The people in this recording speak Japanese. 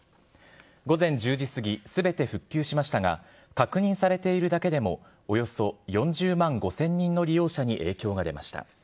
午前１０時過ぎ、すべて復旧しましたが、確認されているだけでも、およそ４０万５０００人の利用者に影響が出ました。